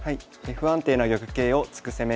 「不安定な玉形を突く攻め」です。